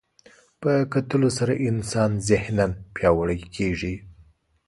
په کتلو سره انسان ذهناً پیاوړی کېږي